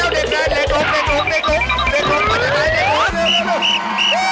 เร็วค่ะ